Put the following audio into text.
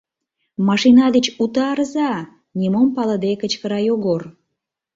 Машина деч утарыза!.. — нимом палыде кычкыра Йогор.